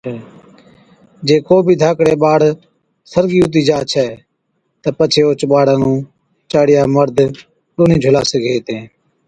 جي ڪو بِي ڌاڪڙَي ٻاڙ سرگِي ھُتي جا ڇَي تہ پڇي اوھچ ٻاڙا نُون چاڙِيا مرد ڏونهِين جھُلا سِگھي هِتين